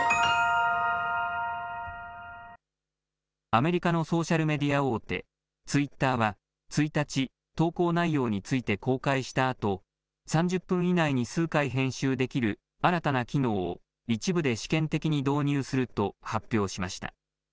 アメリカのソーシャルメディア大手、ツイッターは１日、投稿内容について公開したあと３０分以内に数回編集できる新たな機能を一部で試験的に導入すると発表しました。